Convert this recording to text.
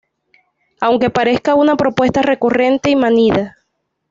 Aunque parezca una propuesta recurrente y manida